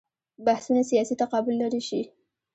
بحثونه سیاسي تقابل لرې شي.